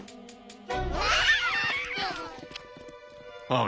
ああ。